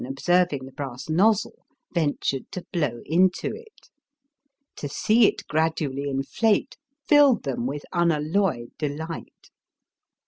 279 observing the brass nozzle, ventured to blow into it. To see it gradually inflate filled them with unalloyed delight.